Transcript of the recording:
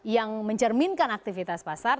yang mencerminkan aktivitas pasar